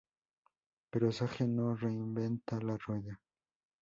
Pero Sage no "reinventa la rueda".